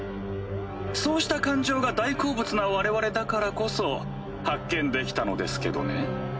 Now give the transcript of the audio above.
そうした感情が大好物な我々だからこそ発見できたのですけどね。